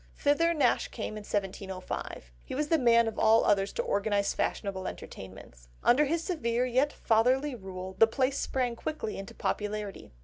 Thither Nash came in 1705. He was the man of all others to organise fashionable entertainments. Under his severe, yet fatherly rule, the place sprang quickly into popularity.